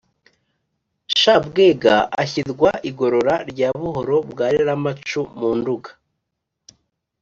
shabwega ashyirwa igorora rya buhoro bwa reramacu mu nduga.